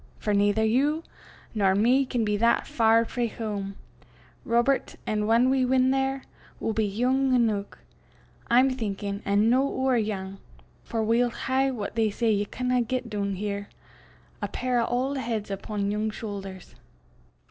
For naither you nor me can be that far frae hame, Robert, an' whan we win there, we'll be yoong eneuch, I'm thinkin'; an' no ower yoong, for we'll hae what they say ye canna get doon here a pair o' auld heids upo' yoong shoothers."